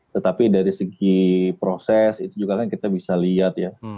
tetapi dari segi proses itu juga kan kita bisa lihat ya